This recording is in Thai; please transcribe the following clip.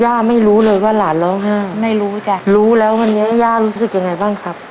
ไม่รู้เลยว่าหลานร้องไห้ไม่รู้จ้ะรู้แล้ววันนี้ย่ารู้สึกยังไงบ้างครับ